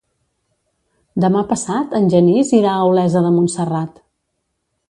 Demà passat en Genís irà a Olesa de Montserrat.